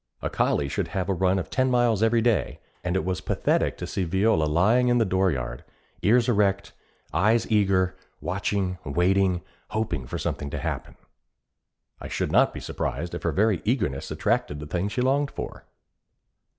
A collie should have a run of ten miles every day, and it was pathetic to see Viola lying in the dooryard, ears erect, eyes eager, watching, waiting, hoping for something to happen. I should not be surprised if her very eagerness attracted the thing she longed for.